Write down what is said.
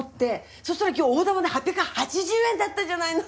そしたら今日大玉で８８０円だったじゃないの。